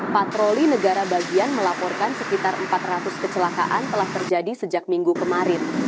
patroli negara bagian melaporkan sekitar empat ratus kecelakaan telah terjadi sejak minggu kemarin